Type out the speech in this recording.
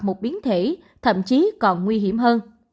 một biến thể thậm chí còn nguy hiểm hơn